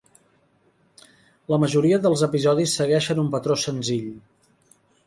La majoria dels episodis segueixen un patró senzill.